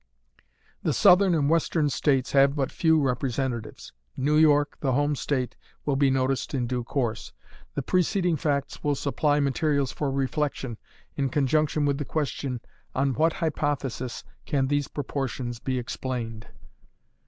The Southern and Western States have but few representatives. New York, the home state, will be noticed in due course. The preceding facts will supply materials for reflection, in conjunction with the question, "On what hypothesis can these proportions be explained?"